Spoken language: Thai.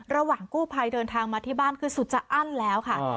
ระหว่างกู้ภัยเดินทางมาที่บ้านคือสุดจะอั้นแล้วค่ะ